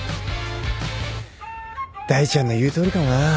大ちゃんの言うとおりかもなぁ。